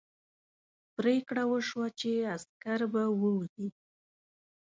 پرېکړه وشوه چې عسکر به ووځي.